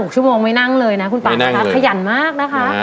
๖ชั่วโมงไม่นั่งเลยนะคุณป่านะคะขยันมากนะคะ